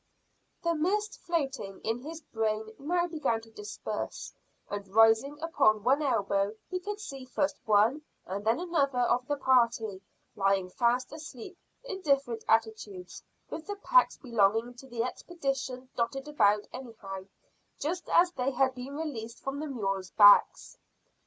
The mist floating in his brain now began to disperse, and rising upon one elbow he could see first one and then another of the party, lying fast asleep in different attitudes with the packs belonging to the expedition dotted about anyhow, just as they had been released from the mules' backs.